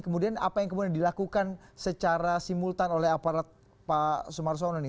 kemudian apa yang kemudian dilakukan secara simultan oleh aparat pak sumarsono ini